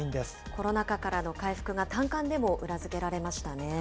コロナ禍からの回復が短観でも裏付けられましたね。